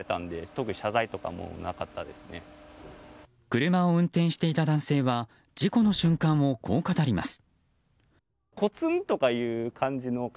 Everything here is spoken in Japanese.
車を運転していた男性は事故の瞬間をこう語ります。